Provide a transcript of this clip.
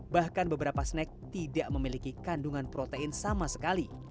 bahkan beberapa snack tidak memiliki kandungan protein sama sekali